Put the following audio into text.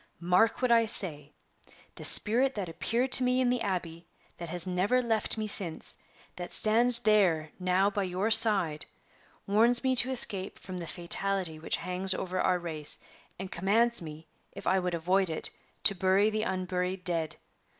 Mark what I say! The spirit that appeared to me in the Abbey that has never left me since that stands there now by your side, warns me to escape from the fatality which hangs over our race, and commands me, if I would avoid it, to bury the unburied dead.